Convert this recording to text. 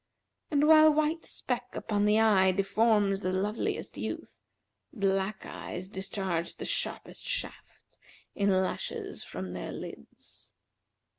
And while white speck upon the eye deforms the loveliest youth, * Black eyes discharge the sharpest shafts in lashes from their lids.'